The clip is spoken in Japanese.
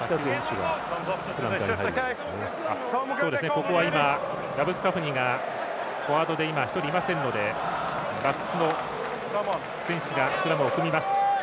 ここは今、ラブスカフニがフォワードで１人、いませんのでバックスの選手がスクラムを組みます。